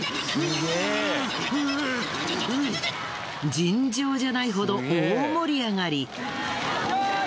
尋常じゃないほど大盛り上がり。